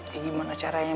ya gimana caranya